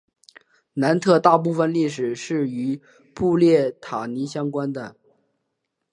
南特大部分历史是与布列塔尼相关的。